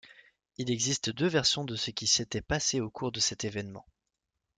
Il existe deux versions de ce qui s’était passé au cours de cet événement.